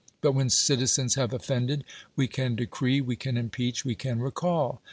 But when citizens have offended, we can decree, we can impeach, we can recall.